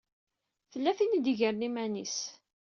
Tella tin i d-igren iman-is.